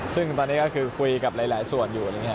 ซึ่งตอนนี้ก็คือคุยกับหลายส่วนอยู่